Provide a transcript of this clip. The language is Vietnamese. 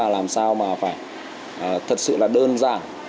làm sao mà phải thật sự đơn giản